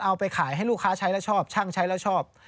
เอาไปขายให้ลูกค้าใช้แล้วชอบช่างใช้แล้วชอบ